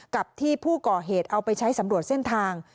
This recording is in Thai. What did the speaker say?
กับที่ผู้ก่อเหตุเอาไปใช้สำรวจเส้นทาง